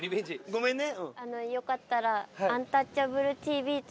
ごめんね。